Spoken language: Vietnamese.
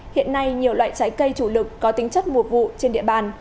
hiện nay nhiều loại trái cây chủ lực có tính chất mùa vụ trên địa bàn